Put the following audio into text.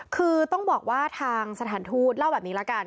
คือต้องบอกว่าทางสถานทูตเล่าแบบนี้ละกัน